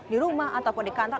di rumah ataupun di kantor